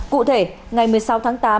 cụ thể ngày một mươi sáu tháng tám